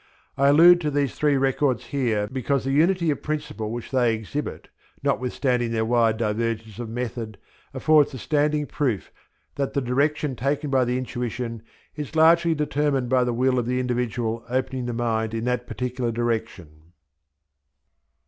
I allude to these three records here because the unity of principle which they exhibit, notwithstanding their wide divergence of method, affords a standing proof that the direction taken by the intuition is largely determined by the will of the individual opening the mind in that particular direction.